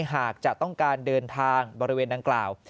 หากจะต้องการเดินทางบริเวณดังกล่าว